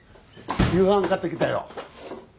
夕飯買ってきたよ。